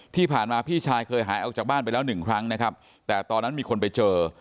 ที่ผ่านมาพี่ชายเคยหายออกจากบ้านไปแล้วหนึ่งครั้งนะครับแต่ตอนนั้นมีคนไปเจอ